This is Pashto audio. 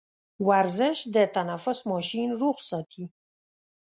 ورزش د تنفس ماشين روغ ساتي.